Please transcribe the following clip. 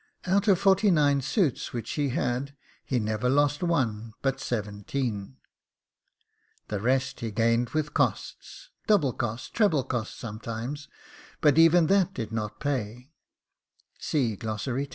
Out of forty nine suits which he had, he never lost one but seventeen; the rest he gained with costs, double costs, treble costs sometimes; but even that did not pay.